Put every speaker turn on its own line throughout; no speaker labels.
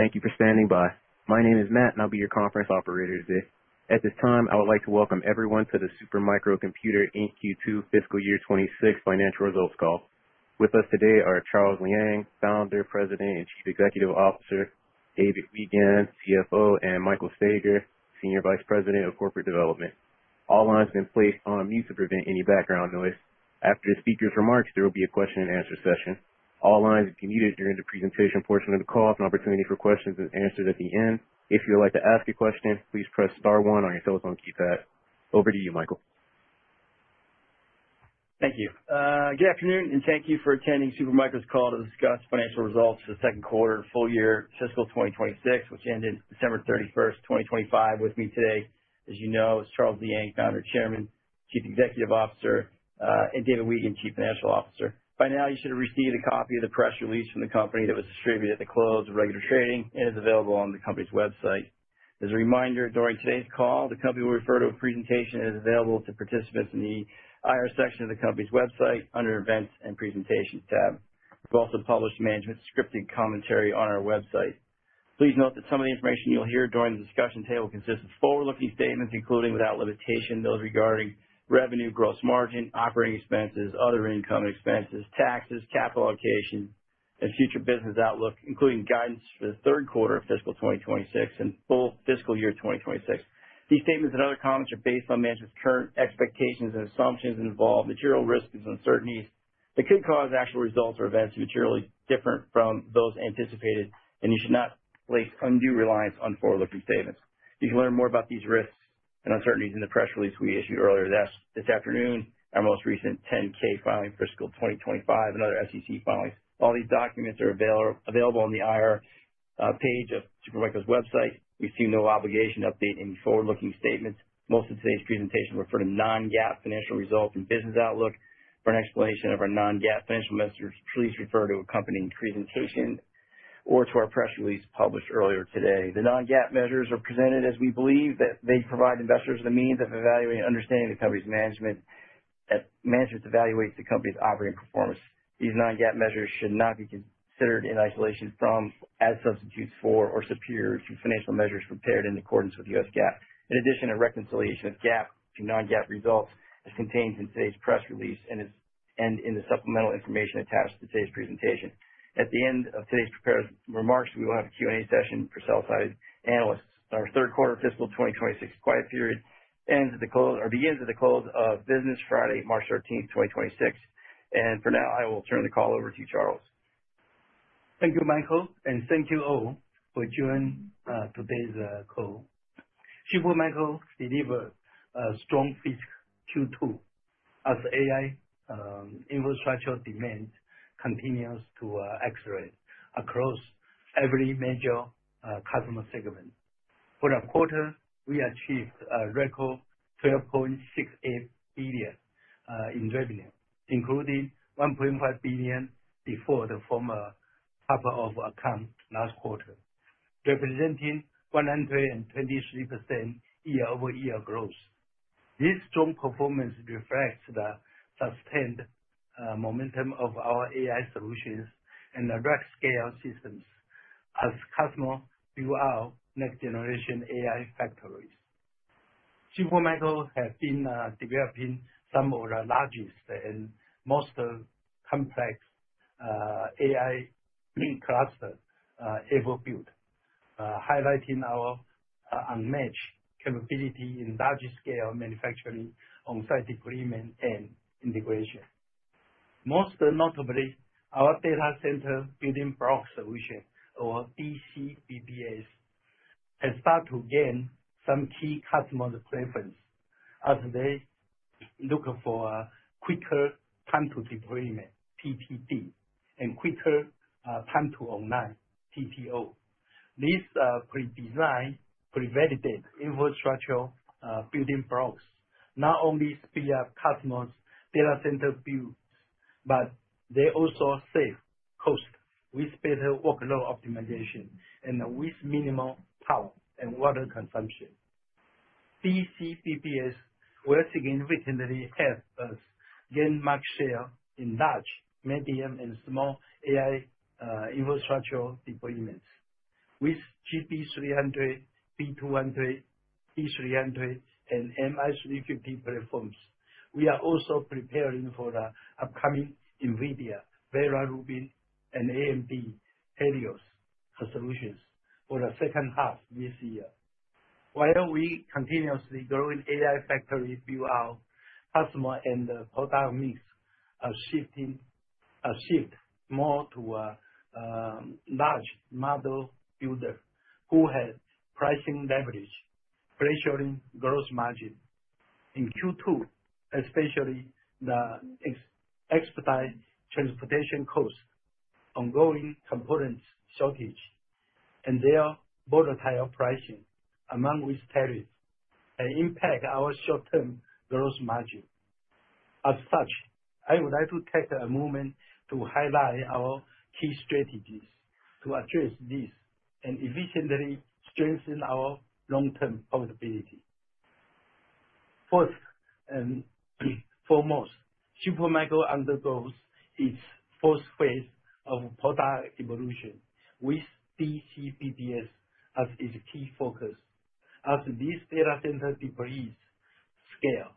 Thank you for standing by. My name is Matt, and I'll be your conference operator today. At this time, I would like to welcome everyone to the Super Micro Computer, Inc. Q2 fiscal year 26 financial results call. With us today are Charles Liang, Founder, President, and Chief Executive Officer, David Weigand, CFO, and Michael Staiger, Senior Vice President of Corporate Development. All lines have been placed on mute to prevent any background noise. After the speakers' remarks, there will be a question-and-answer session. All lines will be muted during the presentation portion of the call. An opportunity for questions and answers at the end. If you'd like to ask a question, please press star one on your telephone keypad. Over to you, Michael.
Thank you. Good afternoon, and thank you for attending Supermicro's call to discuss financial results for the second quarter and full year fiscal 2026, which ended December 31, 2025. With me today, as you know, is Charles Liang, Founder, Chairman, Chief Executive Officer, and David Weigand, Chief Financial Officer. By now, you should have received a copy of the press release from the company that was distributed at the close of regular trading and is available on the company's website. As a reminder, during today's call, the company will refer to a presentation that is available to participants in the IR section of the company's website under Events and Presentations tab. We've also published management's scripted commentary on our website. Please note that some of the information you'll hear during the discussion today will consist of forward-looking statements, including, without limitation, those regarding revenue, gross margin, operating expenses, other income expenses, taxes, capital allocation, and future business outlook, including guidance for the third quarter of fiscal 2026 and full fiscal year 2026. These statements and other comments are based on management's current expectations and assumptions involved, material risks and uncertainties that could cause actual results or events to be materially different from those anticipated, and you should not place undue reliance on forward-looking statements. You can learn more about these risks and uncertainties in the press release we issued earlier this afternoon, our most recent 10-K filing, fiscal 2025, and other SEC filings. All these documents are available on the IR page of Super Micro's website. We assume no obligation to update any forward-looking statements. Most of today's presentation refer to non-GAAP financial results and business outlook. For an explanation of our non-GAAP financial measures, please refer to accompanying presentation or to our press release published earlier today. The non-GAAP measures are presented as we believe that they provide investors the means of evaluating and understanding the company's management, as management evaluates the company's operating performance. These non-GAAP measures should not be considered in isolation from, as substitutes for, or superior to financial measures prepared in accordance with the U.S. GAAP. In addition, a reconciliation of GAAP to non-GAAP results is contained in today's press release and in the supplemental information attached to today's presentation. At the end of today's prepared remarks, we will have a Q&A session for sell-side analysts. Our third quarter fiscal 2026 quiet period ends at the close or begins at the close of business Friday, March 13, 2026, and for now, I will turn the call over to Charles.
Thank you, Michael, and thank you all for joining today's call. Super Micro delivered a strong fiscal Q2 as AI infrastructure demand continues to accelerate across every major customer segment. For the quarter, we achieved a record $12.68 billion in revenue, including $1.5 billion before the former type of account last quarter, representing 123% year-over-year growth. This strong performance reflects the sustained momentum of our AI solutions and the large-scale systems as customers build out next-generation AI factories. Super Micro has been developing some of the largest and most complex AI supercluster ever built, highlighting our unmatched capability in large-scale manufacturing, on-site deployment, and integration. Most notably, our Data Center Building Block Solution, or DCBBS, has started to gain some key customer preference as they look for quicker time to deployment, TTD, and quicker time to online, TTO. These pre-designed, pre-validated infrastructure building blocks not only speed up customers' data center builds, but they also save cost with better workload optimization and with minimal power and water consumption. DCBBS once again recently helped us gain market share in large, medium, and small AI infrastructure deployments. With GB200, B200, B300, and MI350 platforms, we are also preparing for the upcoming NVIDIA Vera Rubin and AMD Helios solutions for the second half of this year. While we continuously growing AI factory build out, customer and product mix are shifting more to a large model builder who has pricing leverage, pressuring gross margin. In Q2, especially, the expedited transportation costs, ongoing components shortage, and their volatile pricing, among which tariffs, have impacted our short-term gross margin. As such, I would like to take a moment to highlight our key strategies to address this and efficiently strengthen our long-term profitability. First and foremost, Super Micro undergoes its fourth phase of product evolution with DCBBS as its key focus. As this data center deploys scale,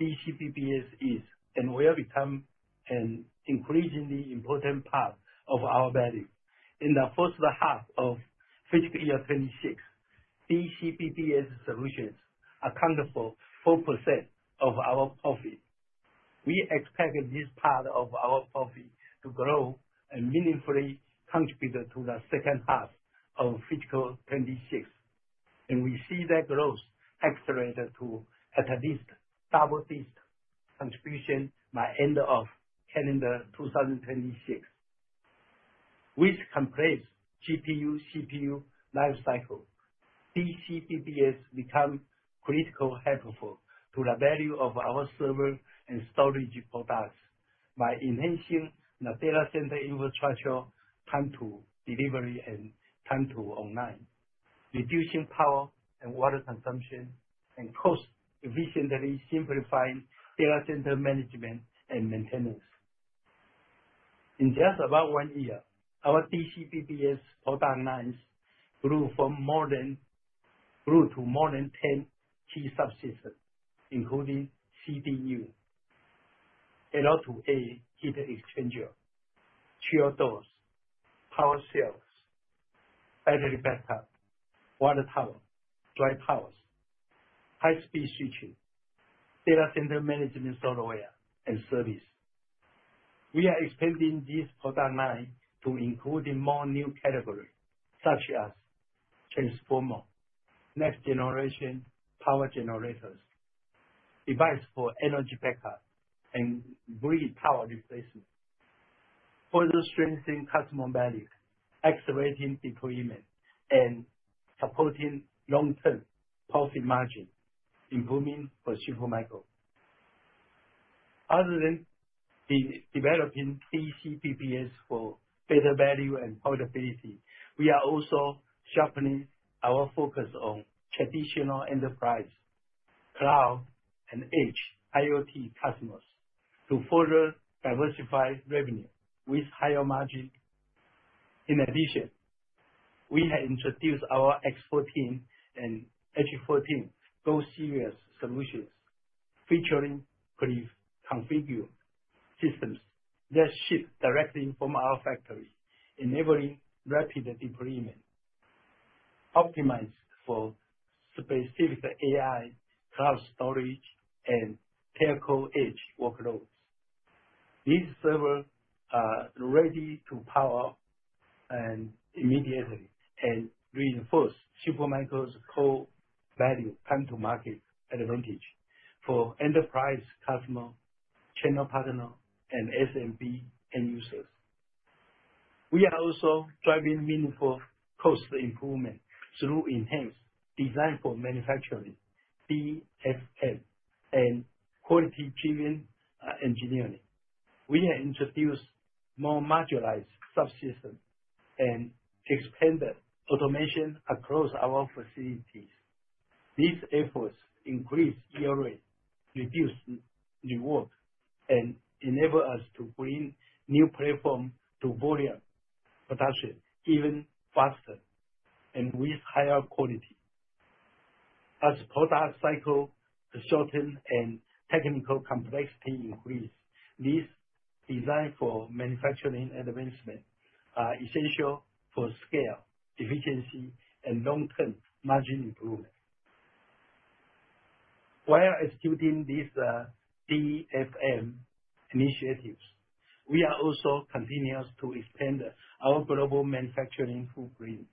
DCBBS is and will become an increasingly important part of our value. In the first half of fiscal year 2026, DCBBS solutions accounted for 4% of our profit. We expect this part of our profit to grow and meaningfully contribute to the second half of fiscal 2026, and we see that growth accelerated to at least double this contribution by end of calendar 2026. With compressed GPU, CPU life cycle, DCBBS become critical helpful to the value of our server and storage products by enhancing the data center infrastructure, time to delivery and time to online, reducing power and water consumption, and cost efficiently simplifying data center management and maintenance. In just about one year, our DCBBS product lines grew to more than 10 key subsystems, including CDU, L2A heat exchanger, chilled doors, power shelves, battery backup, water tower, dry towers, high-speed switching, data center management software and service. We are expanding this product line to include more new categories, such as transformer, next generation power generators, device for energy backup, and grid power replacement, further strengthening customer value, accelerating deployment, and supporting long-term profit margin improvement for Super Micro. Other than developing DCBBS for better value and profitability, we are also sharpening our focus on traditional enterprise, cloud, and edge IoT customers to further diversify revenue with higher margin. In addition, we have introduced our X14 and H14, both series solutions featuring pre-configured systems that ship directly from our factory, enabling rapid deployment, optimized for specific AI, cloud storage, and telco edge workloads. These servers are ready to power up immediately and reinforce Super Micro's core value, time to market advantage for enterprise customer, channel partner, and SMB end users. We are also driving meaningful cost improvement through enhanced Design for Manufacturing, DFM, and quality premium engineering. We have introduced more modularized subsystems and expanded automation across our facilities. These efforts increase yield rate, reduce rework, and enable us to bring new platform to volume production even faster and with higher quality. As product cycle shorten and technical complexity increase, these Design for Manufacturing advancement are essential for scale, efficiency, and long-term margin improvement. While executing these, DFM initiatives, we are also continuous to expand our global manufacturing footprint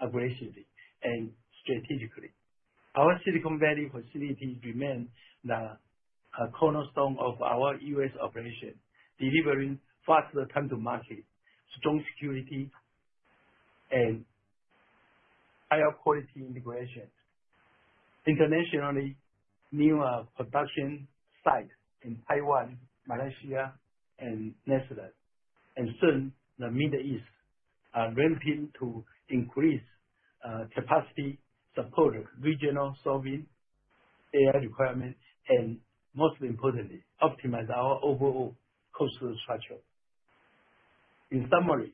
aggressively and strategically. Our Silicon Valley facility remains the, cornerstone of our U.S. operation, delivering faster time to market, strong security, and higher quality integration. Internationally, new, production sites in Taiwan, Malaysia, and Netherlands, and soon the Middle East, are ramping to increase, capacity, support regional sovereign AI requirements, and most importantly, optimize our overall cost structure. In summary,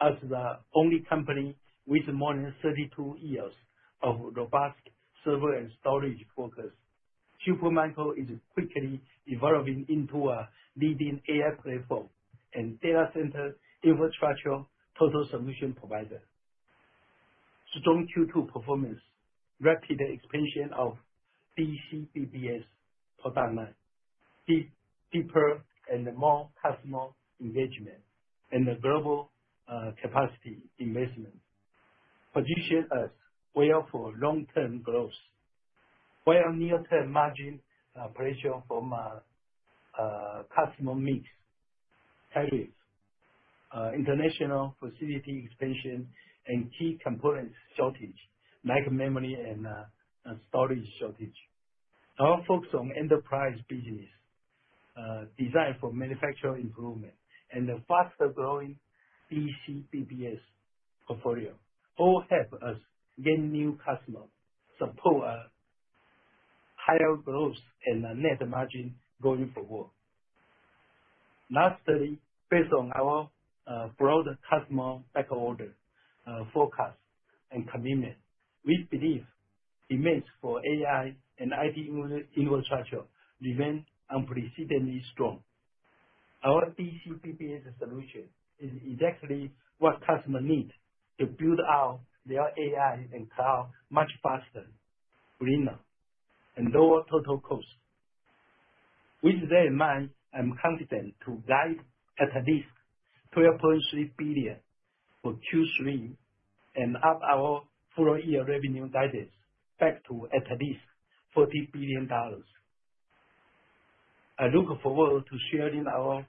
as the only company with more than 32 years of robust server and storage focus, Super Micro is quickly evolving into a leading AI platform and data center infrastructure total solution provider. Strong Q2 performance, rapid expansion of DCBBS product line, deeper and more customer engagement in the global capacity investment, position us well for long-term growth. While near-term margin pressure from customer mix, tariffs, international facility expansion, and key components shortage, like memory and storage shortage, our focus on enterprise business, design for manufacturing improvement and the faster growing DCBBS portfolio all help us gain new customers, support a higher growth and a net margin going forward. Lastly, based on our broad customer backorder forecast and commitment, we believe demands for AI and IT infrastructure remain unprecedentedly strong. Our DCBBS solution is exactly what customers need to build out their AI and cloud much faster, greener, and lower total cost. With that in mind, I'm confident to guide at least $12.3 billion for Q3 and up our full year revenue guidance back to at least $40 billion. I look forward to sharing our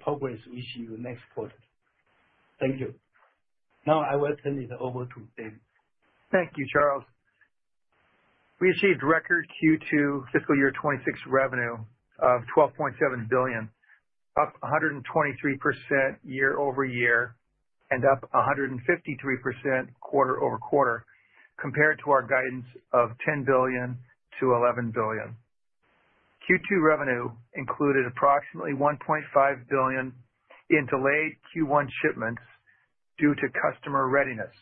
progress with you next quarter. Thank you. Now I will turn it over to Dave.
Thank you, Charles. We achieved record Q2 fiscal year 2026 revenue of $12.7 billion, up 123% year-over-year, and up 153% quarter-over-quarter, compared to our guidance of $10 billion-$11 billion. Q2 revenue included approximately $1.5 billion in delayed Q1 shipments due to customer readiness.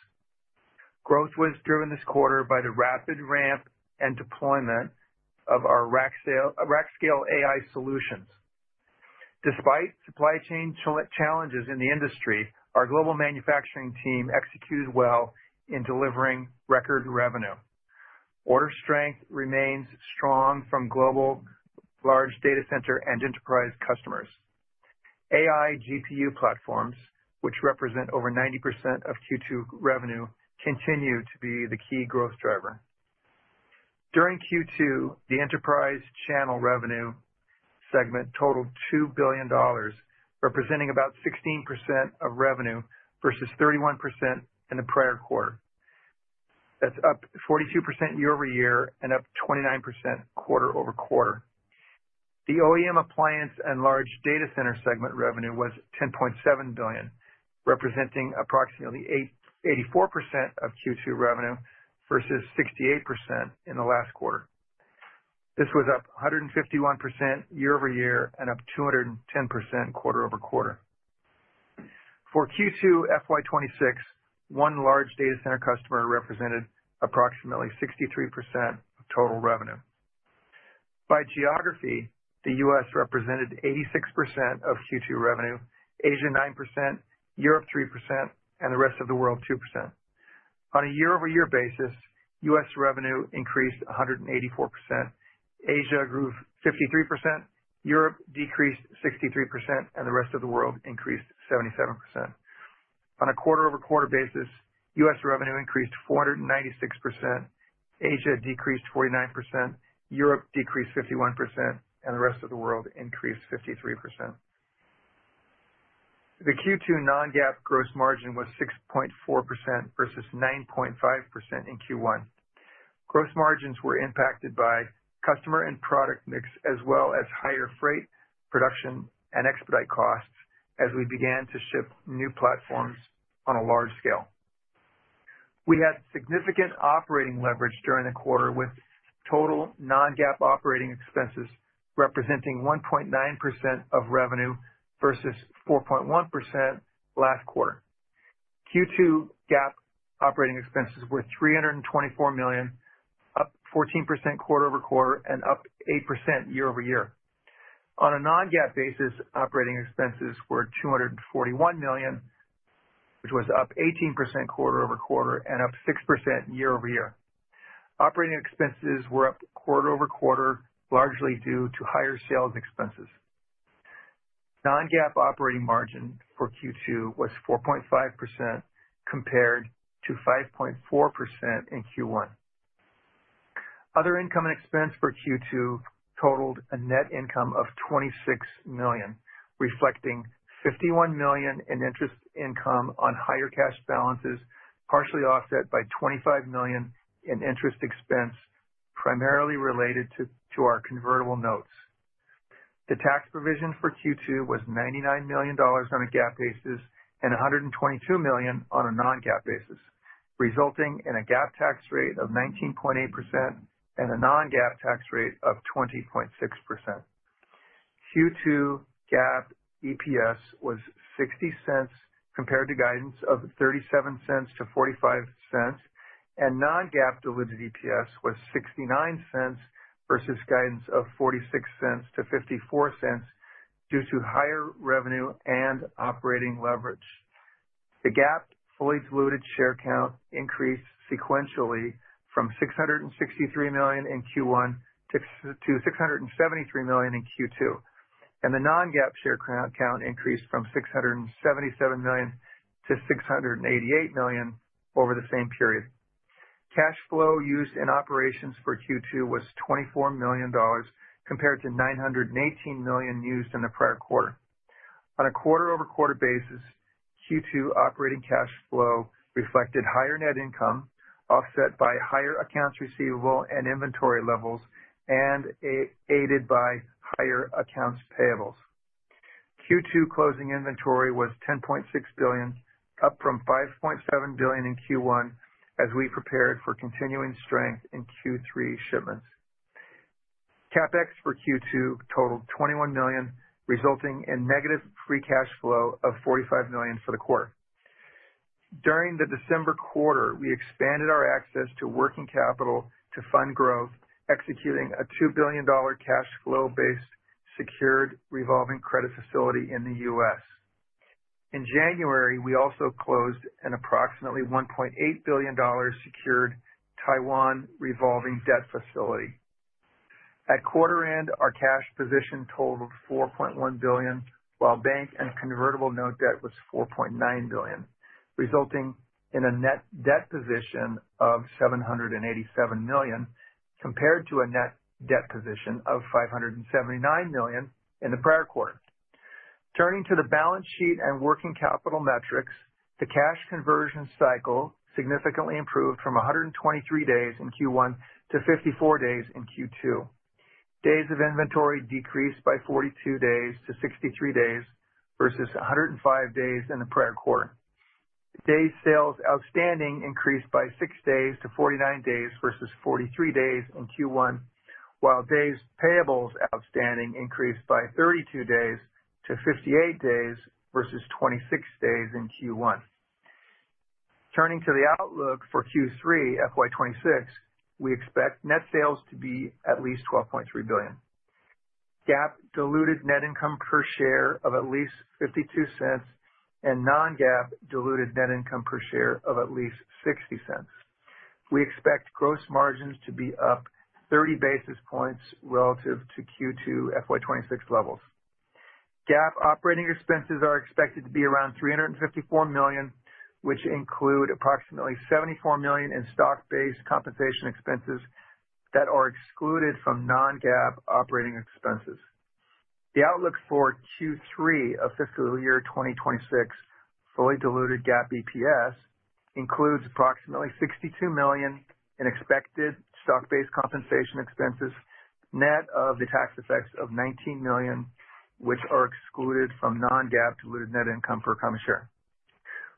Growth was driven this quarter by the rapid ramp and deployment of our rack-scale AI solutions. Despite supply chain challenges in the industry, our global manufacturing team executed well in delivering record revenue. Order strength remains strong from global large data center and enterprise customers. AI GPU platforms, which represent over 90% of Q2 revenue, continue to be the key growth driver. During Q2, the enterprise channel revenue segment totaled $2 billion, representing about 16% of revenue versus 31% in the prior quarter. That's up 42% year-over-year and up 29% quarter-over-quarter. The OEM appliance and large data center segment revenue was $10.7 billion, representing approximately 84% of Q2 revenue versus 68% in the last quarter. This was up 151% year-over-year and up 210% quarter-over-quarter. For Q2 FY 2026, one large data center customer represented approximately 63% of total revenue. By geography, the US represented 86% of Q2 revenue, Asia 9%, Europe 3%, and the rest of the world, 2%. On a year-over-year basis, US revenue increased 184%, Asia grew 53%, Europe decreased 63%, and the rest of the world increased 77%. On a quarter-over-quarter basis, US revenue increased 496%, Asia decreased 49%, Europe decreased 51%, and the rest of the world increased 53%. The Q2 non-GAAP gross margin was 6.4% versus 9.5% in Q1. Gross margins were impacted by customer and product mix, as well as higher freight, production, and expedite costs as we began to ship new platforms on a large scale. We had significant operating leverage during the quarter, with total non-GAAP operating expenses representing 1.9% of revenue versus 4.1% last quarter. Q2 GAAP operating expenses were $324 million, up 14% quarter-over-quarter and up 8% year-over-year. On a non-GAAP basis, operating expenses were $241 million, which was up 18% quarter-over-quarter and up 6% year-over-year. Operating expenses were up quarter-over-quarter, largely due to higher sales expenses. Non-GAAP operating margin for Q2 was 4.5% compared to 5.4% in Q1. Other income and expense for Q2 totaled a net income of $26 million, reflecting $51 million in interest income on higher cash balances, partially offset by $25 million in interest expense, primarily related to our convertible notes. The tax provision for Q2 was $99 million on a GAAP basis and $122 million on a non-GAAP basis, resulting in a GAAP tax rate of 19.8% and a non-GAAP tax rate of 20.6%. Q2 GAAP EPS was $0.60, compared to guidance of $0.37-$0.45, and non-GAAP diluted EPS was $0.69 versus guidance of $0.46-$0.54 due to higher revenue and operating leverage. The GAAP fully diluted share count increased sequentially from 663 million in Q1 to 673 million in Q2, and the non-GAAP share count increased from 677 million to 688 million over the same period. Cash flow used in operations for Q2 was $24 million, compared to $918 million used in the prior quarter. On a quarter-over-quarter basis, Q2 operating cash flow reflected higher net income, offset by higher accounts receivable and inventory levels, and aided by higher accounts payables. Q2 closing inventory was $10.6 billion, up from $5.7 billion in Q1, as we prepared for continuing strength in Q3 shipments. CapEx for Q2 totaled $21 million, resulting in negative free cash flow of $45 million for the quarter. During the December quarter, we expanded our access to working capital to fund growth, executing a $2 billion cash flow based secured revolving credit facility in the U.S. In January, we also closed an approximately $1.8 billion secured Taiwan revolving debt facility. At quarter end, our cash position totaled $4.1 billion, while bank and convertible note debt was $4.9 billion, resulting in a net debt position of $787 million, compared to a net debt position of $579 million in the prior quarter. Turning to the balance sheet and working capital metrics, the cash conversion cycle significantly improved from 123 days in Q1 to 54 days in Q2. Days of inventory decreased by 42 days to 63 days, versus 105 days in the prior quarter. Days Sales Outstanding increased by 6 days to 49 days, versus 43 days in Q1, while days payables outstanding increased by 32 days to 58 days, versus 26 days in Q1. Turning to the outlook for Q3 FY 2026, we expect net sales to be at least $12.3 billion. GAAP diluted net income per share of at least $0.52 and non-GAAP diluted net income per share of at least $0.60. We expect gross margins to be up 30 basis points relative to Q2 FY 2026 levels. GAAP operating expenses are expected to be around $354 million, which include approximately $74 million in stock-based compensation expenses that are excluded from non-GAAP operating expenses. The outlook for Q3 of fiscal year 2026, fully diluted GAAP EPS, includes approximately $62 million in expected stock-based compensation expenses, net of the tax effects of $19 million, which are excluded from non-GAAP diluted net income per common share.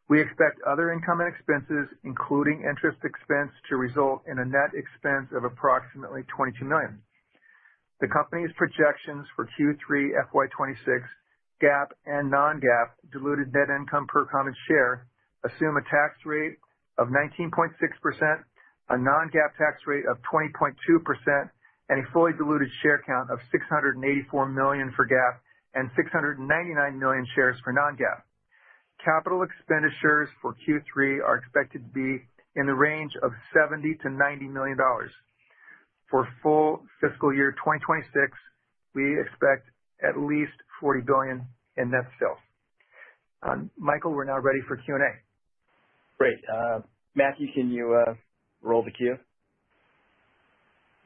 We expect other income and expenses, including interest expense, to result in a net expense of approximately $22 million. The company's projections for Q3 FY 2026 GAAP and non-GAAP diluted net income per common share assume a tax rate of 19.6%, a non-GAAP tax rate of 20.2%, and a fully diluted share count of 684 million for GAAP and 699 million shares for non-GAAP. Capital expenditures for Q3 are expected to be in the range of $70 million-$90 million. For full fiscal year 2026, we expect at least $40 billion in net sales. Michael, we're now ready for Q&A.
Great. Matthew, can you roll the queue?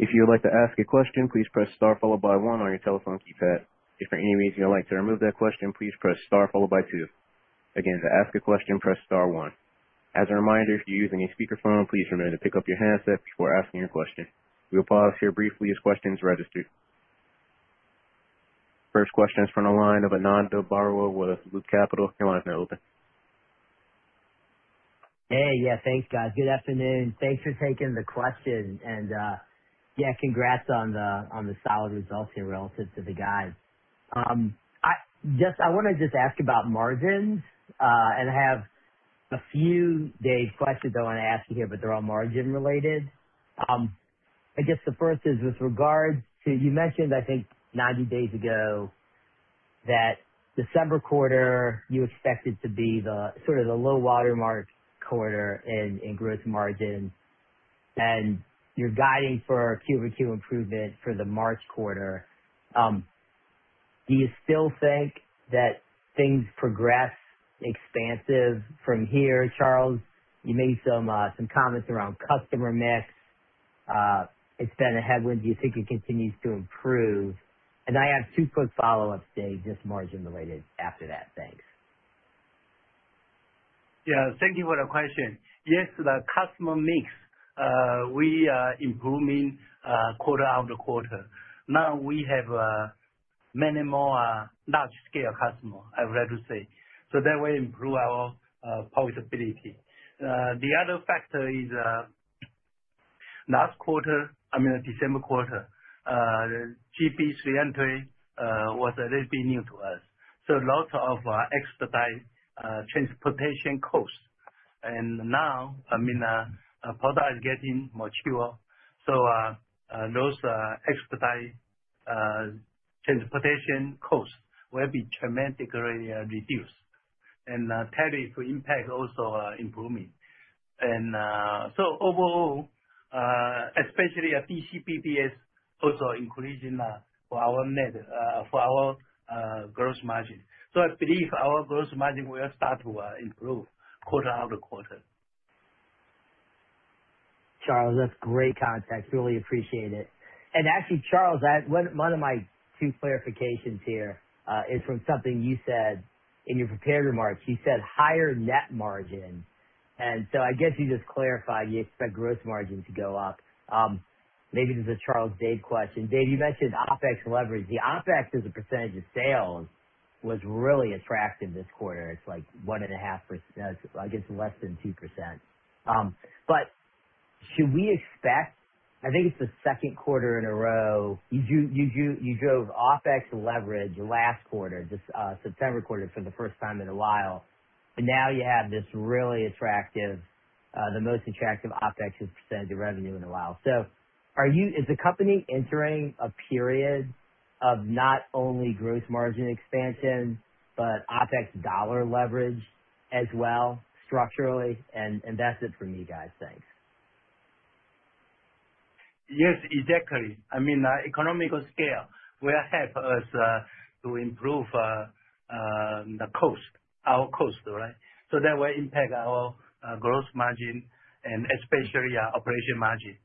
If you would like to ask a question, please press star followed by one on your telephone keypad. If for any reason you'd like to remove that question, please press star followed by two. Again, to ask a question, press star one. As a reminder, if you're using a speakerphone, please remember to pick up your handset before asking your question. We'll pause here briefly as questions register. First question is from the line of Ananda Baruah with Loop Capital. Your line is now open.
Hey, yeah, thanks, guys. Good afternoon. Thanks for taking the question. And, yeah, congrats on the solid results here relative to the guide. I just want to ask about margins, and I have a few follow-up questions I want to ask you here, but they're all margin related. I guess the first is with regard to, you mentioned, I think 90 days ago, that December quarter, you expected to be the sort of the low watermark quarter in gross margin, and you're guiding for quarter-over-quarter improvement for the March quarter. Do you still think that things progress expansively from here, Charles? You made some comments around customer mix. It's been a headwind. Do you think it continues to improve? And I have two quick follow-ups, just margin related after that. Thanks.
Yeah, thank you for the question. Yes, the customer mix, we are improving quarter-over-quarter. Now we have many more large scale customer, I would like to say. So that will improve our profitability. The other factor is last quarter, I mean, December quarter, GB300 inventory was a little bit new to us, so lots of expedite transportation costs. And now, I mean, product is getting mature, so those expedite transportation costs will be dramatically reduced. And tariff impact also improving. And so overall, especially at DCBBS, also increasing for our net, for our gross margin. So I believe our gross margin will start to improve quarter-over-quarter.
Charles, that's great context. Really appreciate it. And actually, Charles, one of my two clarifications here is from something you said in your prepared remarks. You said higher net margin, and so I guess you just clarified you expect gross margin to go up. Maybe this is a Charles Dave question. Dave, you mentioned OpEx leverage. The OpEx as a percentage of sales was really attractive this quarter. It's like 1.5%, I guess less than 2%. But should we expect, I think it's the second quarter in a row, you drove OpEx leverage last quarter, this September quarter, for the first time in a while. But now you have this really attractive, the most attractive OpEx as a percentage of revenue in a while. So, are you—is the company entering a period of not only gross margin expansion, but OpEx dollar leverage as well, structurally? And, and that's it for me, guys. Thanks.
Yes, exactly. I mean, economies of scale will help us to improve the cost, our cost, right? So that will impact our gross margin and especially our operating margin.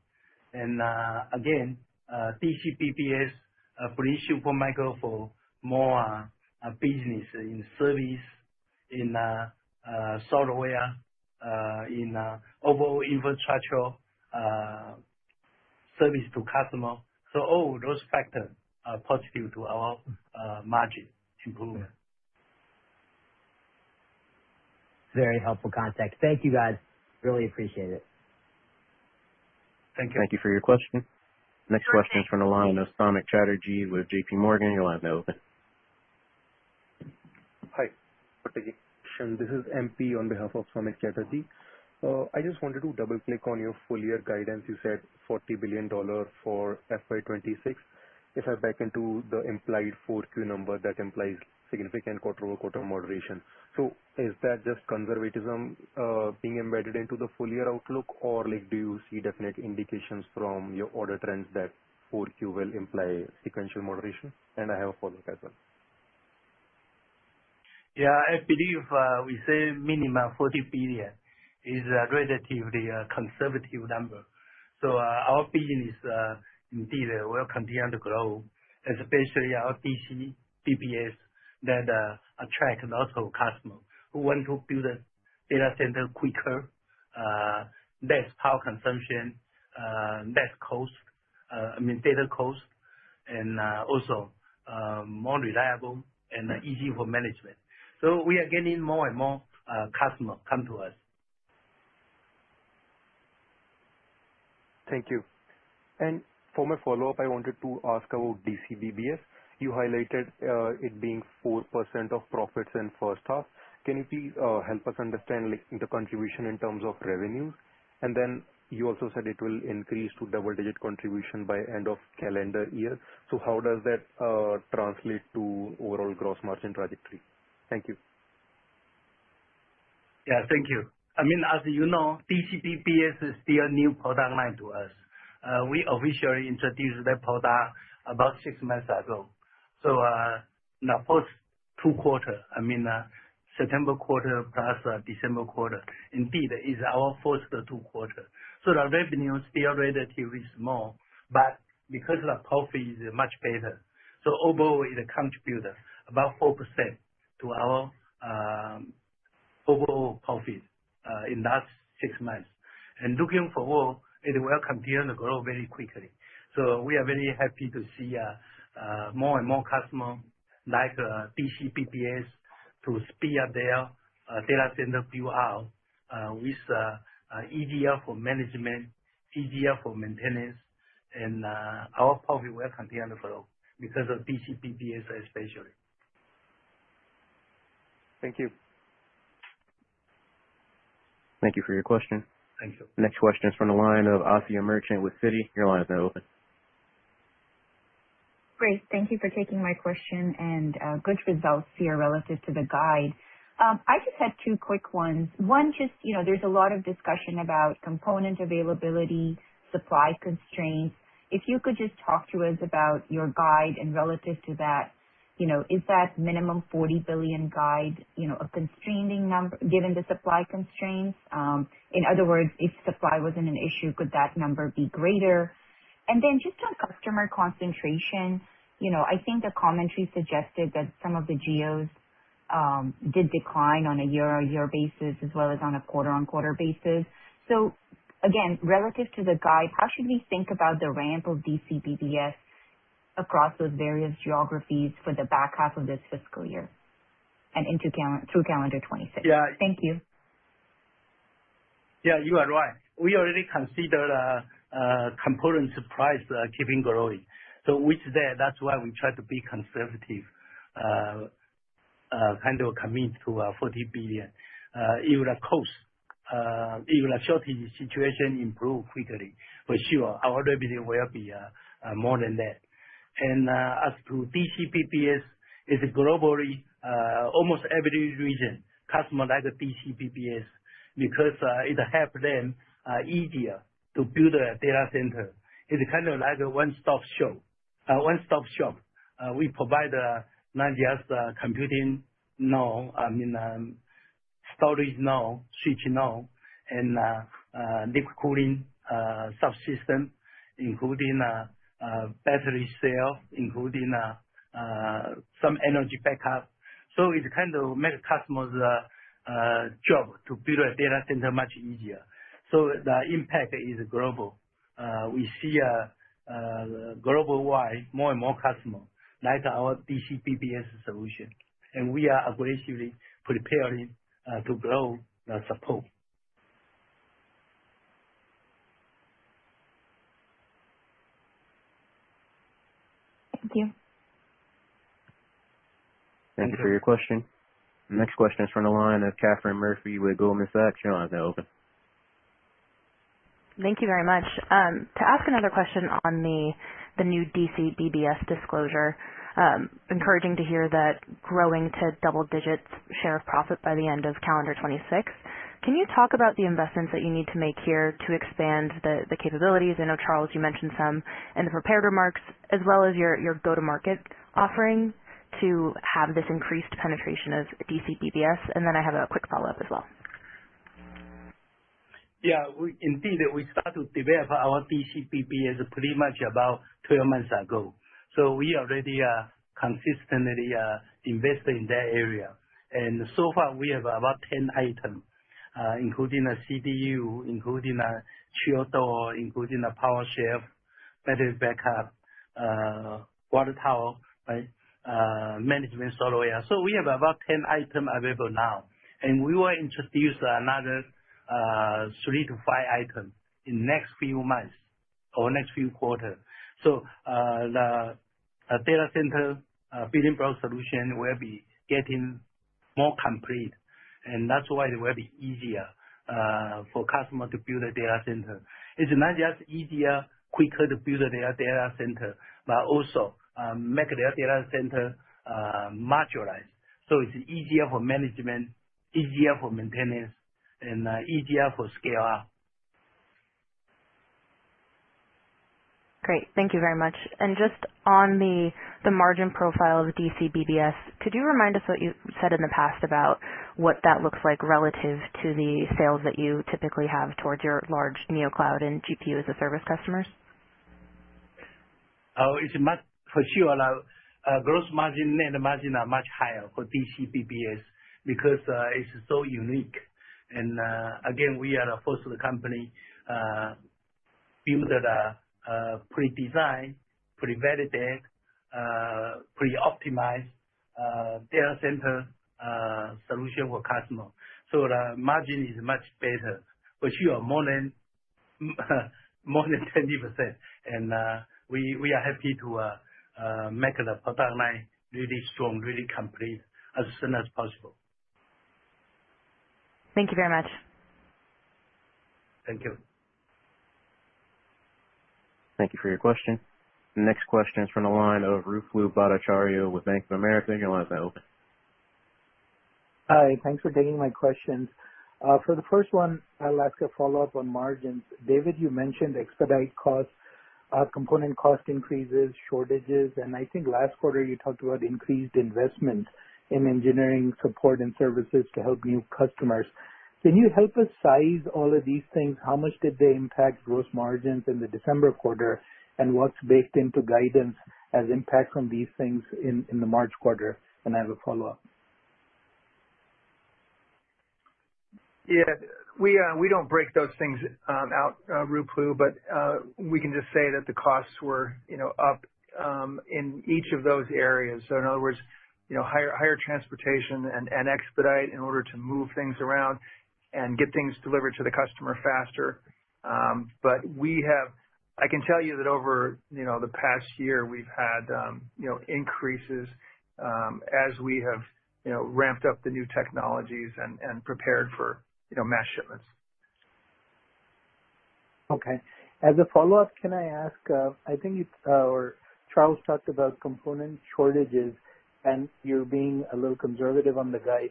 Again, DCBBS, proprietary SuperMicro for more business in service, in software, in overall infrastructure, service to customer. So all those factors are positive to our margin improvement.
Very helpful context. Thank you, guys. Really appreciate it.
Thank you.
Thank you for your question. Next question is from the line of Samik Chatterjee with J.P. Morgan. Your line is now open.
Hi, this is MP on behalf of Samik Chatterjee. I just wanted to double click on your full-year guidance. You said $40 billion for FY 2026. If I back into the implied 4Q number, that implies significant quarter-over-quarter moderation. So is that just conservatism being embedded into the full-year outlook? Or, like, do you see definite indications from your order trends that 4Q will imply sequential moderation? And I have a follow-up as well.
Yeah, I believe we say minimum $40 billion is a relatively conservative number. So, our business indeed will continue to grow, especially our DCBBS, that attract a lot of customers who want to build a data center quicker, less power consumption, less cost, I mean, data cost, and also more reliable and easy for management. So we are getting more and more customers come to us.
Thank you. For my follow-up, I wanted to ask about DCBBS. You highlighted, it being 4% of profits in first half. Can you please, help us understand, like, the contribution in terms of revenues? And then you also said it will increase to double-digit contribution by end of calendar year. So how does that, translate to overall gross margin trajectory? Thank you.
Yeah. Thank you. I mean, as you know, DCBBS is still a new product line to us. We officially introduced that product about six months ago. So, the first two quarter, I mean, September quarter plus December quarter, indeed, is our first two quarter. So the revenues still relatively small, but because the profit is much better. So overall, it contributed about 4% to our overall profit in last six months. And looking forward, it will continue to grow very quickly. So we are very happy to see more and more customers like DCBBS to speed up their data center build out with easier for management, easier for maintenance, and our profit will continue to grow because of DCBBS especially.
Thank you.
Thank you for your question.
Thank you.
Next question is from the line of Asiya Merchant with Citi. Your line is now open.
Great. Thank you for taking my question, and good results here relative to the guide. I just had two quick ones. One, just, you know, there's a lot of discussion about component availability, supply constraints. If you could just talk to us about your guide, and relative to that, you know, is that minimum $40 billion guide, you know, a constraining number, given the supply constraints? In other words, if supply wasn't an issue, could that number be greater? And then just on customer concentration, you know, I think the commentary suggested that some of the geos did decline on a year-on-year basis, as well as on a quarter-on-quarter basis. So again, relative to the guide, how should we think about the ramp of DC BPS across those various geographies for the back half of this fiscal year and through calendar 2026?
Yeah.
Thank you.
Yeah, you are right. We already considered component supplies keeping growing. So with that, that's why we try to be conservative kind of commit to $40 billion. Even the cost even the shortage situation improve quickly, for sure our revenue will be more than that. As to DCBBS, is globally almost every region, customer like DCBBS, because it helps them easier to build a data center. It's kind of like a one-stop shop. one-stop shop. We provide not just computing node, I mean, storage node, switching node, and liquid cooling subsystem, including battery backup, including some energy backup. So it kind of make customers job to build a data center much easier. So the impact is global. We see global wide, more and more customer like our DCBBS solution, and we are aggressively preparing to grow the support.
Thank you.
Thank you for your question. Next question is from the line of Catherine Murphy with Goldman Sachs. Your line is now open.
Thank you very much. To ask another question on the new DCBBS disclosure, encouraging to hear that growing to double-digit share of profit by the end of calendar 2026. Can you talk about the investments that you need to make here to expand the capabilities? I know, Charles, you mentioned some in the prepared remarks as well as your go-to-market offering to have this increased penetration of DCBBS. And then I have a quick follow-up as well.
Yeah, we indeed, we start to develop our DC BBS pretty much about 12 months ago. So we already are consistently investing in that area. And so far we have about 10 items, including a CDU, including a chilled door, including a power shelf, battery backup, water tower, right, management software. So we have about 10 items available now, and we will introduce another 3-5 items in next few months or next few quarters. So the data center building block solution will be getting more complete, and that's why it will be easier for customers to build a data center. It's not just easier, quicker to build their data center, but also make their data center modularized. So it's easier for management, easier for maintenance, and easier for scale out.
Great. Thank you very much. And just on the margin profile of DCBBS, could you remind us what you said in the past about what that looks like relative to the sales that you typically have towards your large neocloud and GPU as a service customers?
Oh, it's much for sure. Gross margin, net margin are much higher for DCBBS because it's so unique. And again, we are the first company build pre-designed, pre-validated, pre-optimized data center solution for customer. So the margin is much better, for sure, more than, more than 20%. And we are happy to make the product line really strong, really complete as soon as possible.
Thank you very much.
Thank you.
Thank you for your question. Next question is from the line of Ruplu Bhattacharya with Bank of America. Your line is now open.
Hi, thanks for taking my questions. For the first one, I'll ask a follow-up on margins. David, you mentioned expedite costs, component cost increases, shortages, and I think last quarter you talked about increased investment in engineering support and services to help new customers. Can you help us size all of these things? How much did they impact gross margins in the December quarter, and what's baked into guidance as impact from these things in the March quarter? And I have a follow-up.
Yeah, we don't break those things out, Ruplu, but we can just say that the costs were, you know, up in each of those areas. So in other words, you know, higher transportation and expedite in order to move things around and get things delivered to the customer faster. But we have... I can tell you that over, you know, the past year, we've had, you know, increases as we have, you know, ramped up the new technologies and prepared for, you know, mass shipments.
Okay. As a follow-up, can I ask? I think it's, Charles talked about component shortages, and you're being a little conservative on the guide.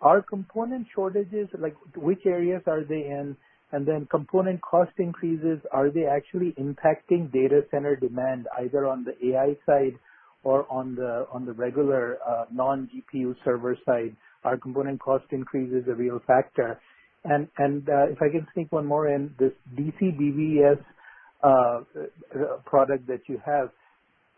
Are component shortages, like, which areas are they in? And then component cost increases, are they actually impacting data center demand, either on the AI side or on the, on the regular, non-GPU server side? Are component cost increases a real factor? And, if I can sneak one more in, this DCBBS, product that you have,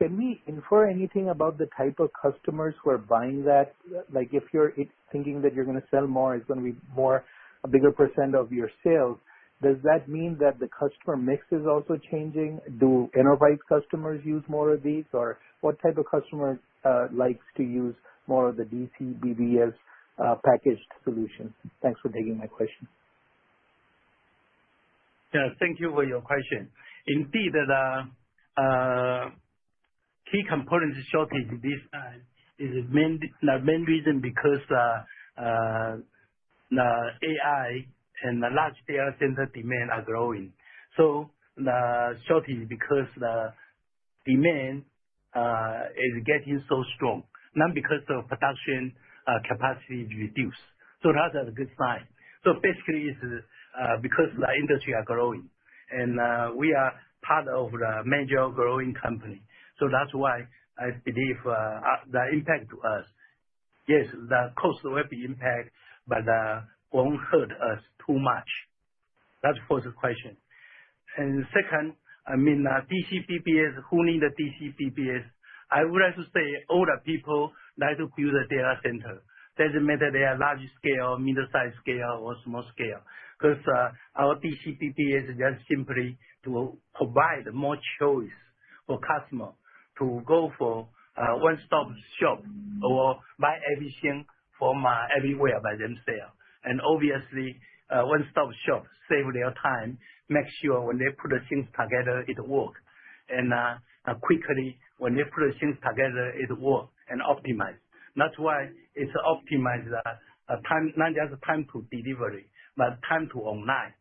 can we infer anything about the type of customers who are buying that? Like, if you're thinking that you're going to sell more, it's going to be more, a bigger percent of your sales. Does that mean that the customer mix is also changing? Do enterprise customers use more of these, or what type of customers likes to use more of the DCBBS packaged solutions? Thanks for taking my questions.
Yeah, thank you for your question. Indeed, the key component shortage this time is the main, the main reason, because the AI and the large data center demand are growing. So the shortage, because the demand is getting so strong, not because the production capacity is reduced. So that is a good sign. So basically, it's because the industry are growing, and we are part of the major growing company. So that's why I believe the impact to us-... Yes, the cost will be impact, but won't hurt us too much. That's for the question. And second, I mean, DCBBS, who need the DCBBS? I would like to say all the people like to build a data center. Doesn't matter if they are large scale, middle size scale, or small scale. Because, our DCBBS is just simply to provide more choice for customer to go for, one-stop shop or buy everything from, everywhere by themselves. And obviously, one-stop shop save their time, make sure when they put the things together, it work. And, quickly, when they put the things together, it work and optimize. That's why it's optimized, time, not just time to delivery, but time to online.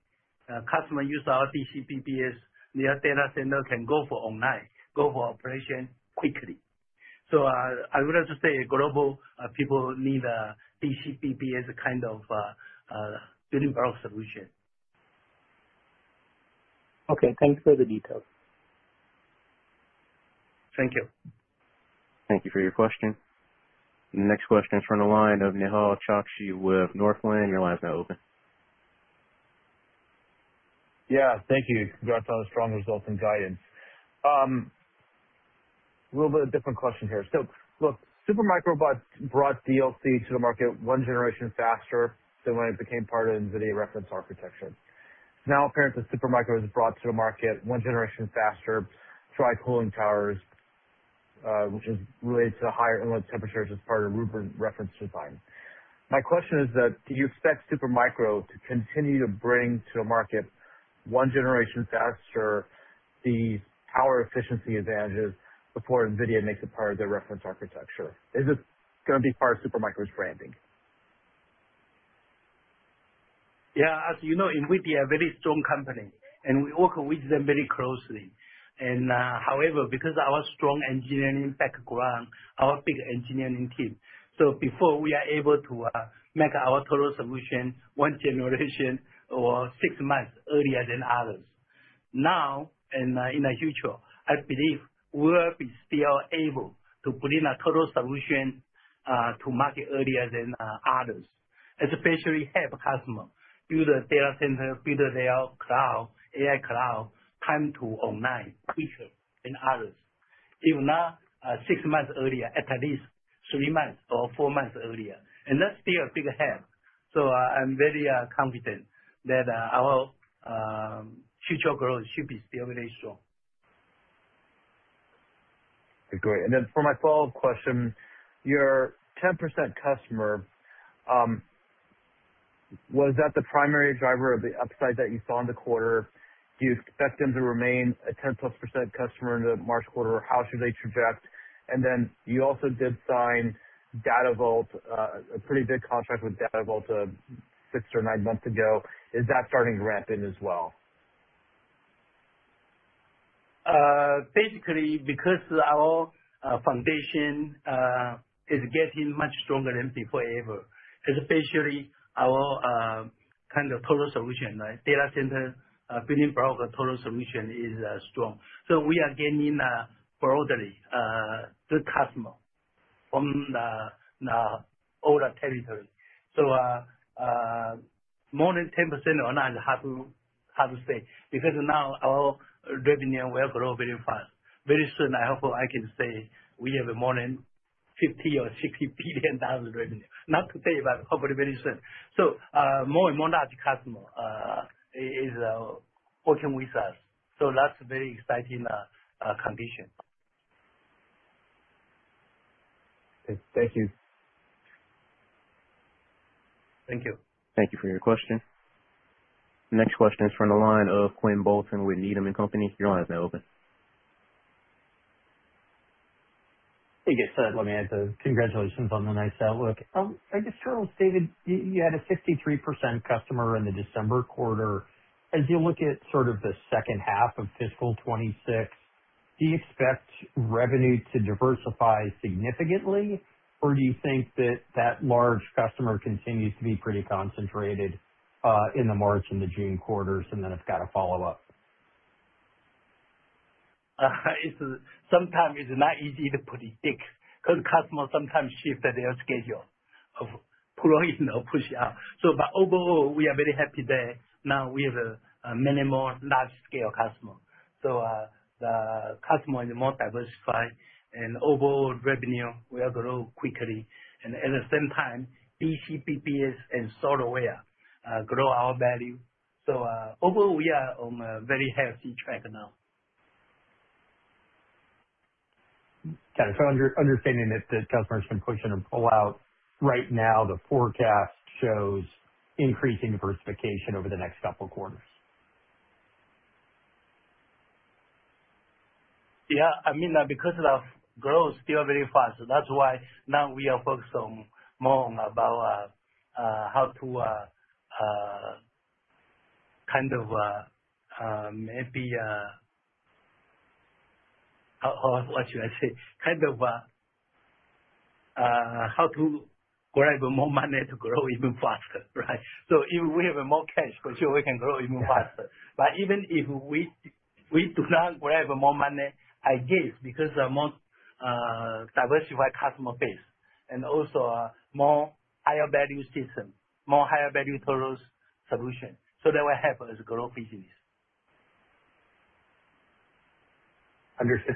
Customer use our DCBBS, their data center can go for online, go for operation quickly. So, I would like to say global, people need a DCBBS kind of, building block solution.
Okay, thanks for the details.
Thank you.
Thank you for your question. Next question is from the line of Nehal Chokshi with Northland. Your line is now open.
Yeah, thank you. Congrats on the strong results and guidance. A little bit of different question here. So look, Super Micro brought DLC to the market one generation faster than when it became part of NVIDIA reference architecture. Now, apparently, Super Micro has brought to the market one generation faster, dry cooling towers, which is related to the higher inlet temperatures as part of reference design. My question is that, do you expect Super Micro to continue to bring to the market one generation faster, the power efficiency advantages before NVIDIA makes it part of their reference architecture? Is this going to be part of Super Micro's branding?
Yeah, as you know, NVIDIA a very strong company, and we work with them very closely. However, because our strong engineering background, our big engineering team, so before we are able to make our total solution one generation or six months earlier than others. Now, and, in the future, I believe we'll be still able to bring a total solution to market earlier than others, especially help customer build a data center, build their cloud, AI cloud, time to online quicker than others. If not, six months earlier, at least three months or four months earlier, and that's still a big help. So I, I'm very confident that our future growth should be still very strong.
Great. And then for my follow-up question, your 10% customer, was that the primary driver of the upside that you saw in the quarter? Do you expect them to remain a 10%+ customer in the March quarter, or how should they project? And then you also did sign DataVolt, a pretty big contract with DataVolt, six or nine months ago. Is that starting to ramp in as well?
Basically, because our foundation is getting much stronger than before ever, especially our kind of total solution, right? Data center building block total solution is strong. So we are gaining broadly good customer from the older territory. So more than 10% or not, I have to say, because now our revenue will grow very fast. Very soon, I hope I can say we have more than $50 or $60 billion revenue. Not today, but hopefully very soon. So more and more large customer is working with us. So that's a very exciting condition.
Thank you.
Thank you.
Thank you for your question. The next question is from the line of Quinn Bolton with Needham and Company. Your line is now open.
Hey, guys. Let me add a congratulations on the nice outlook. I just heard, David, you had a 63% customer in the December quarter. As you look at sort of the second half of fiscal 2026, do you expect revenue to diversify significantly? Or do you think that that large customer continues to be pretty concentrated in the March and the June quarters? And then I've got a follow-up.
It's sometimes not easy to predict, 'cause customers sometimes shift their schedule of pulling or pushing out. But overall, we are very happy that now we have many more large-scale customer. The customer is more diversified, and overall revenue will grow quickly. And at the same time, DCBBS and software grow our value. So, overall, we are on a very healthy track now.
Got it. So, understanding that the customer has been pushing and pulling out, right now, the forecast shows increasing diversification over the next couple of quarters?
Yeah, I mean, because of the growth, still very fast. That's why now we are focused more on how to grab more money to grow even faster, right? So if we have more cash, for sure, we can grow even faster. But even if we don't, we do not have more money, I guess, because a more diversified customer base and also more higher value system, more higher value totals solution. So that will help us grow business.
Understood.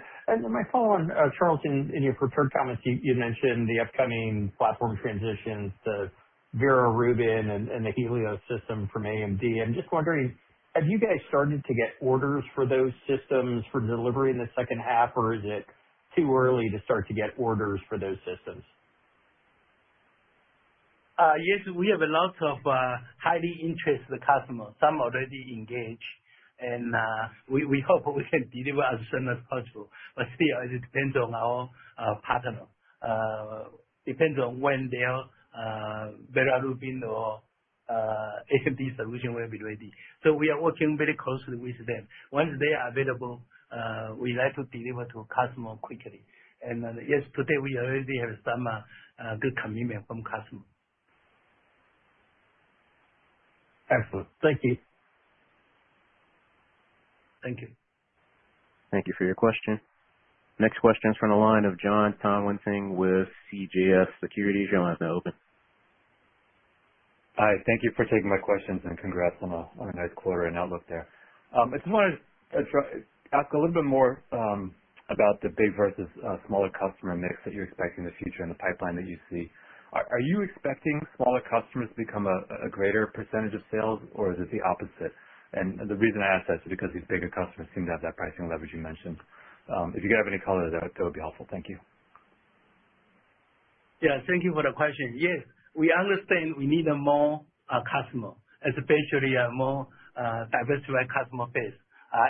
My follow on, Charles, in your prepared comments, you mentioned the upcoming platform transitions, the Vera Rubin and the Helios system from AMD. I'm just wondering, have you guys started to get orders for those systems for delivery in the second half, or is it too early to start to get orders for those systems?
Yes, we have a lot of highly interested customers. Some already engaged, and we hope we can deliver as soon as possible. But still, it depends on our partner. Depends on when their Vera Rubin or AMD solution will be ready. So we are working very closely with them. Once they are available, we like to deliver to customer quickly. And yes, today, we already have some good commitment from customer.
Excellent. Thank you.
Thank you.
Thank you for your question. Next question is from the line of Jon Tanwanteng with CJS Securities. Your line is now open.
Hi, thank you for taking my questions, and congrats on a nice quarter and outlook there. I just wanted to ask a little bit more about the big versus smaller customer mix that you expect in the future and the pipeline that you see. Are you expecting smaller customers to become a greater percentage of sales, or is it the opposite? And the reason I ask that is because these bigger customers seem to have that pricing leverage you mentioned. If you have any color there, that would be helpful. Thank you.
Yeah, thank you for the question. Yes, we understand we need a more customer, especially a more diversified customer base,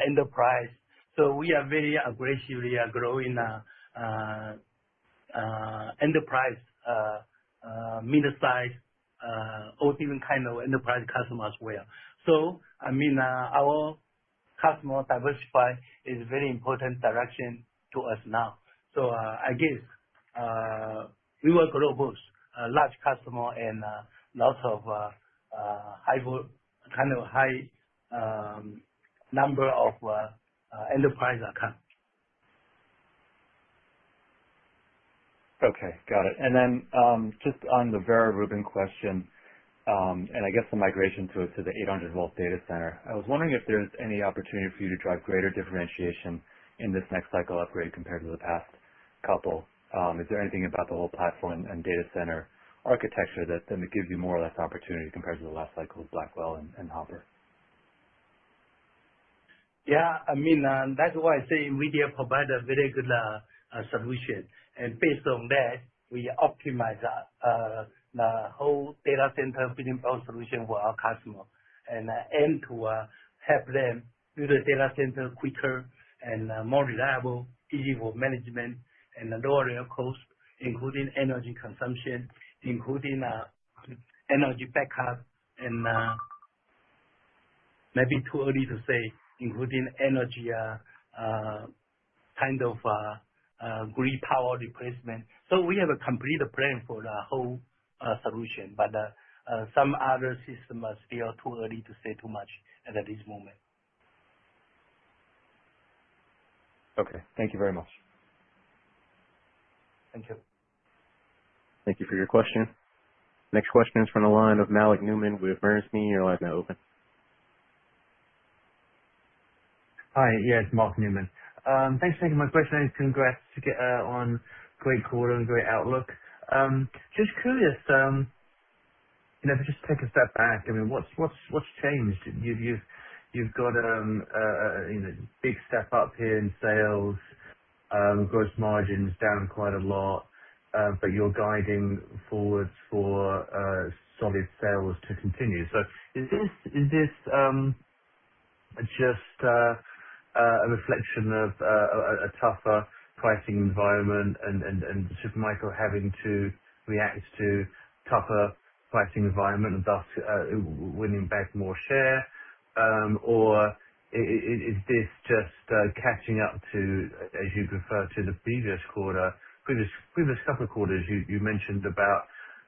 enterprise. So we are very aggressively growing enterprise mid-size or even kind of enterprise customers well. So, I mean, our customer diversify is very important direction to us now. So, I guess, we will grow both large customer and lots of kind of high number of enterprise account.
Okay. Got it. And then, just on the Vera Rubin question, and I guess the migration to the 800-volt data center, I was wondering if there's any opportunity for you to drive greater differentiation in this next cycle upgrade compared to the past couple. Is there anything about the whole platform and data center architecture that gives you more or less opportunity compared to the last cycle of Blackwell and Hopper?
Yeah, I mean, that's why I say NVIDIA provide a very good solution. And based on that, we optimize the whole data center building block solution for our customer, and aim to help them build a data center quicker and more reliable, easy for management and lower their costs, including energy consumption, including energy backup, and maybe too early to say, including energy kind of grid power replacement. So we have a complete plan for the whole solution, but some other system are still too early to say too much at this moment.
Okay. Thank you very much.
Thank you.
Thank you for your question. Next question is from the line of Mark Newman with Bernstein. Your line is now open.
Hi. Yes, Mark Newman. Thanks for taking my question and congrats to get on great quarter and great outlook. Just curious, you know, if you just take a step back, I mean, what's changed? You've got a big step up here in sales, gross margins down quite a lot, but you're guiding forward for solid sales to continue. So is this just a reflection of a tougher pricing environment and just Micro having to react to tougher pricing environment and thus winning back more share? Or is this just catching up to, as you refer to the previous quarter, previous couple quarters, you mentioned about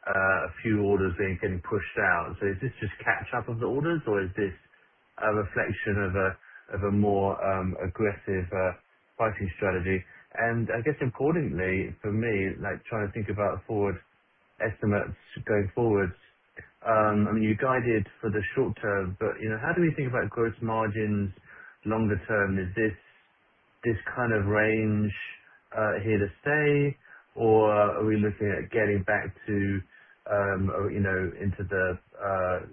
a few orders then getting pushed out. So is this just catch up of the orders, or is this a reflection of a more aggressive pricing strategy? And I guess accordingly, for me, like trying to think about forward estimates going forward, I mean, you guided for the short term, but, you know, how do we think about gross margins longer term? Is this kind of range here to stay, or are we looking at getting back to, you know, into the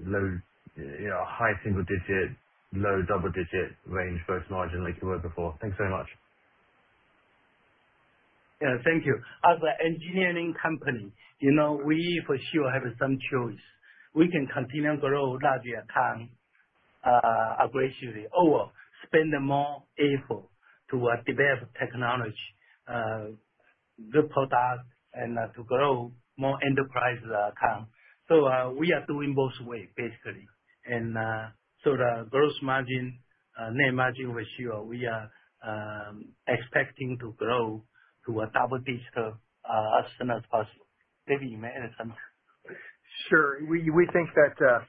low, you know, high single digit, low double digit range, gross margin like you were before? Thanks very much.
Yeah. Thank you. As an engineering company, you know, we for sure have some choice. We can continue to grow larger account aggressively or spend more effort to develop technology, good product and to grow more enterprise account. So, we are doing both ways, basically. And, so the gross margin, net margin ratio, we are expecting to grow to a double digit as soon as possible. Maybe you may add something?
Sure. We think that,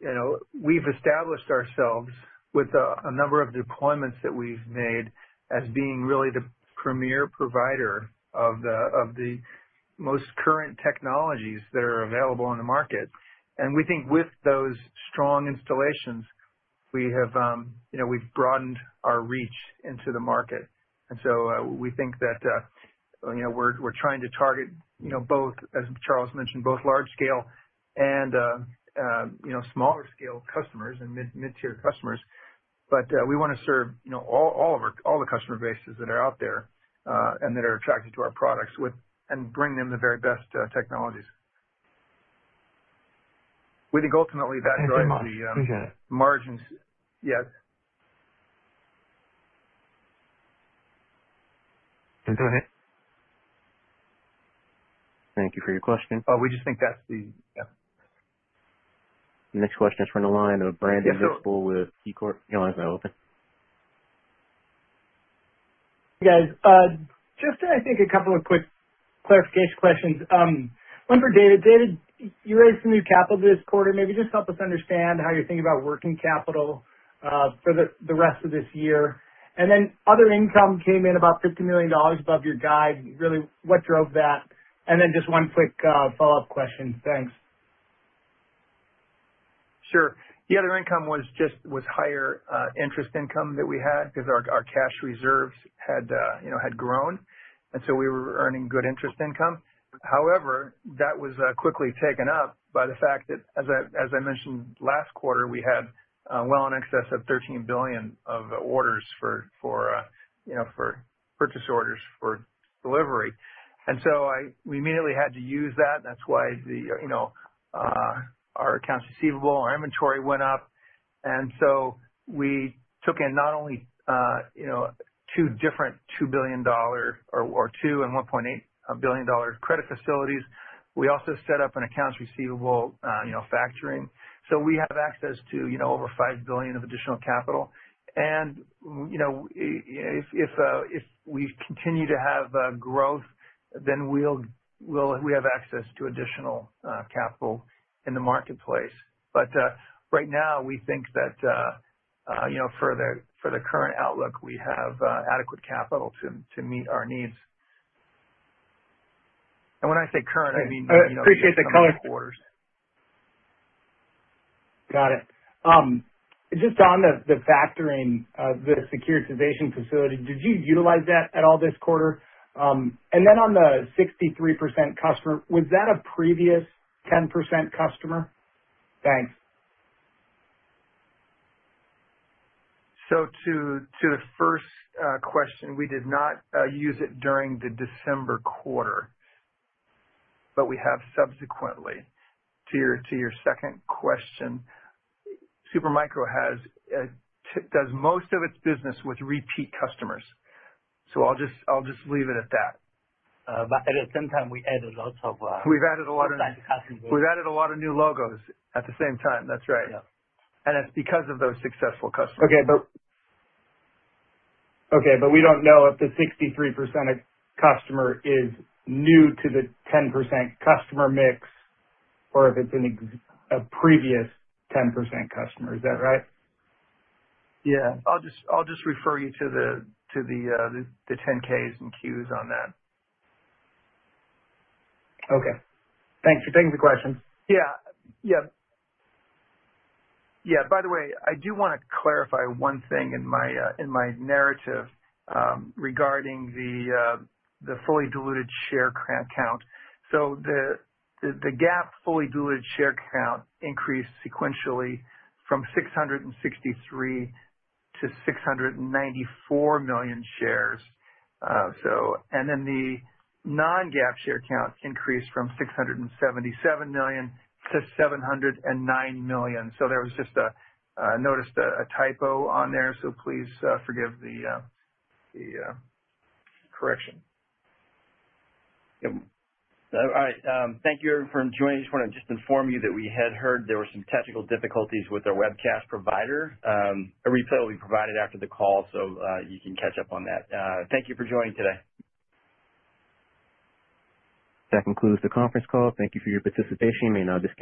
you know, we've established ourselves with a number of deployments that we've made as being really the premier provider of the most current technologies that are available on the market. We think with those strong installations, you know, we've broadened our reach into the market. So, we think that, you know, we're trying to target, you know, both, as Charles mentioned, both large scale and, you know, smaller scale customers and mid-tier customers. But we wanna serve, you know, all of our customer bases that are out there, and that are attracted to our products and bring them the very best technologies. We think ultimately that drives the margins. Yes.
Go ahead. Thank you for your question.
Oh, we just think that's the... Yeah.
Next question is from the line of Brandon Nispel with KeyCorp. Your line is now open.
Guys, just I think a couple of quick clarification questions. One for David. David, you raised some new capital this quarter. Maybe just help us understand how you're thinking about working capital, for the rest of this year. And then other income came in about $50 million above your guide. Really, what drove that? And then just one quick follow-up question. Thanks.
Sure. The other income was just, was higher, interest income that we had because our, our cash reserves had, you know, had grown, and so we were earning good interest income. However, that was quickly taken up by the fact that, as I mentioned last quarter, we had well in excess of $13 billion of orders for, for, you know, for purchase orders for delivery. And so we immediately had to use that. That's why the, you know, our accounts receivable, our inventory went up, and so we took in not only, you know, two different $2 billion or $2 and $1.8 billion credit facilities. We also set up an accounts receivable, you know, factoring. So we have access to, you know, over $5 billion of additional capital. And, you know, if we continue to have growth, then we'll—we have access to additional capital in the marketplace. But right now, we think that, you know, for the current outlook, we have adequate capital to meet our needs. And when I say current, I mean-
I appreciate the color-
Orders.
Got it. Just on the, the factoring, the securitization facility, did you utilize that at all this quarter? And then on the 63% customer, was that a previous 10% customer? Thanks.
To the first question, we did not use it during the December quarter, but we have subsequently. To your second question, Super Micro does most of its business with repeat customers, so I'll just leave it at that.
But at the same time, we added lots of,
We've added a lot of-
Customers.
We've added a lot of new logos at the same time. That's right.
Yeah.
It's because of those successful customers.
Okay, but we don't know if the 63% of customer is new to the 10% customer mix or if it's a previous 10% customer. Is that right?
Yeah. I'll just refer you to the 10-K's and 10-Q's on that.
Okay. Thanks for taking the question.
Yeah. Yeah. Yeah, by the way, I do want to clarify one thing in my narrative regarding the fully diluted share count. So the GAAP fully diluted share count increased sequentially from 663 to 694 million shares. So, and then the non-GAAP share count increased from 677 million to 709 million. So there was just a I noticed a typo on there, so please forgive the correction.
All right, thank you everyone for joining. Just want to just inform you that we had heard there were some technical difficulties with our webcast provider. A replay will be provided after the call, so you can catch up on that. Thank you for joining today.
That concludes the conference call. Thank you for your participation. You may now disconnect.